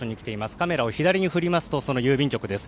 カメラを左に振りますとその郵便局です。